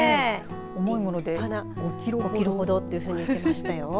重いもので５キロほどというふうに言っていましたよ。